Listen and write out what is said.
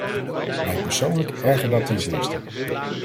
Mij persoonlijk ergert dat ten zeerste.